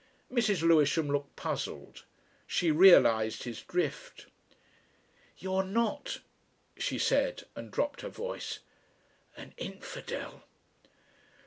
Mrs. Lewisham looked puzzled. She realised his drift. "You're not," she said, and dropped her voice, "an infidel?"